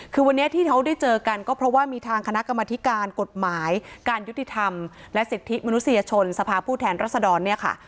คือวันนี้ที่เขาได้เจอกันก็เพราะว่ามีทางคณะกรรมธิการกฎหมายการยุติธรรมและสิทธิมนุษยชนสภาพผู้แทนรัศดรเนี่ยค่ะ